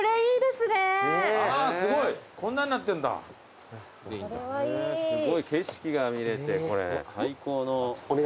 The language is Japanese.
すごい景色が見れてこれ最高の。